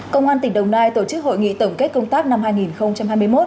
công an tỉnh đồng nai tổ chức hội nghị tổng kết công tác năm hai nghìn hai mươi một